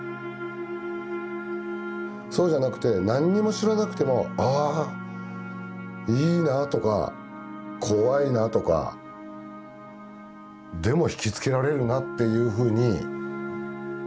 そうじゃなくて何にも知らなくてもああいいなぁとか怖いなとかでもひきつけられるなっていうふうに。